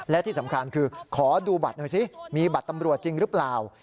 และที่สำคัญคือขอดูบัตรหน่อยสิมีบัตรตำรวจจริงหรือเปล่า